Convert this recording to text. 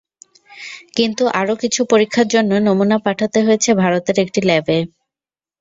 কিন্তু আরও কিছু পরীক্ষার জন্য নমুনা পাঠাতে হয়েছে ভারতের একটি ল্যাবে।